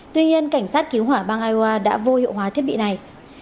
tuy nhiên cảnh sát cứu hỏa bang iowa đã vô hiệu hóa thiết bị này